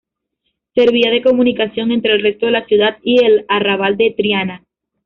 Servía de comunicación entre el resto de la ciudad y el arrabal de Triana.